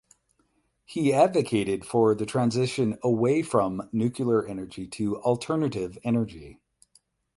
He advocated for the transition away from nuclear energy to alternative energy.